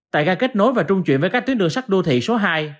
tại gà kết nối và trung chuyển với các tuyến đường sắt đô thị số hai